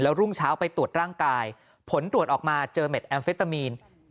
รุ่งเช้าไปตรวจร่างกายผลตรวจออกมาเจอเม็ดแอมเฟตามีน